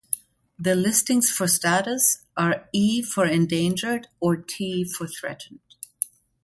The listings for status are E for endangered or T for threatened.